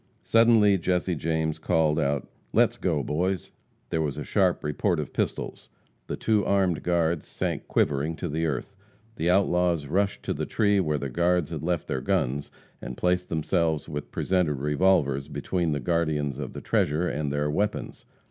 Suddenly, Jesse James called out, "Let's go, boys!" There was a sharp report of pistols. The two armed guards sank quivering to the earth. The outlaws rushed to the tree where the guards had left their arms, and placed themselves with presented revolvers between the guardians of the treasure and their weapons.